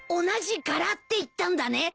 同じ柄って言ったんだね？